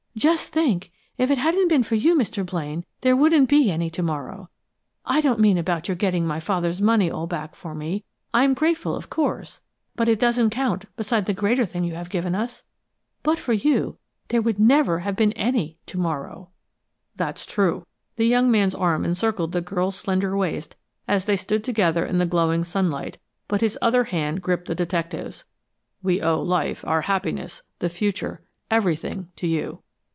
"Just think, if it hadn't been for you, Mr. Blaine, there wouldn't be any to morrow! I don't mean about your getting my father's money all back for me I'm grateful, of course, but it doesn't count beside the greater thing you have given us! But for you, there would never have been any to morrow." "That's true!" The young man's arm encircled the girl's slender waist as they stood together in the glowing sunlight, but his other hand gripped the detective's. "We owe life, our happiness, the future, everything to you!"